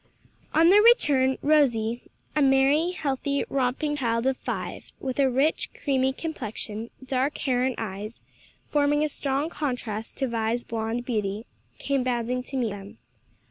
On their return Rosie, a merry, healthy, romping child of five, with a rich creamy complexion, dark hair and eyes, forming a strong contrast to Vi's blonde beauty, came bounding to meet them.